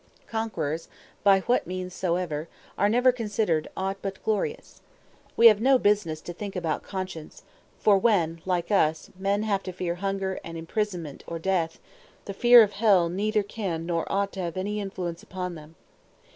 Conquerors, by what means soever, are never considered aught but glorious. We have no business to think about conscience; for when, like us, men have to fear hunger, and imprisonment, or death, the fear of hell neither can nor ought to have any influence upon them.